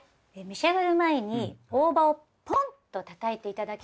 召し上がる前に大葉をポンッとたたいて頂けると。